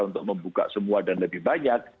untuk membuka semua dan lebih banyak